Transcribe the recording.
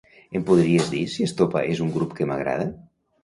Em podries dir si Estopa és un grup que m'agrada?